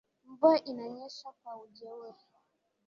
Mvua inanyesha kwa ujeuri.